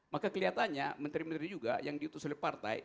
maka kelihatannya menteri menteri juga yang diutus oleh partai